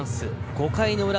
５回の裏